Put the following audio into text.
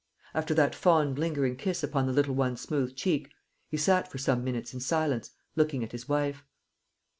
After that fond lingering kiss upon the little one's smooth cheek, he sat for some minutes in silence, looking at his wife.